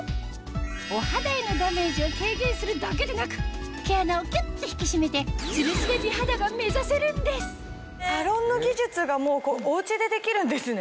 お肌へのダメージを軽減するだけでなく毛穴をキュっと引き締めてツルスベ美肌が目指せるんですんですね？